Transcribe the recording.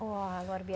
wah luar biasa